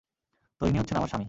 তো, ইনি হচ্ছেন আমার স্বামী।